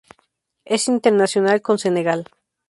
Es internacional con Senegal.